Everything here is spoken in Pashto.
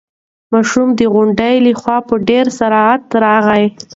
ماشوم د غونډۍ له خوا په ډېر سرعت راغی.